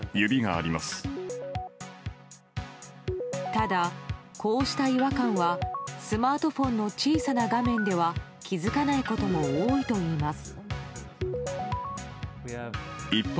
ただ、こうした違和感はスマートフォンの小さな画面では気づかないことも多いといいます。